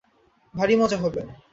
ভারি মজা হবে।